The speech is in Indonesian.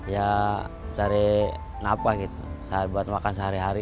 ya cari napa gitu buat makan sehari hari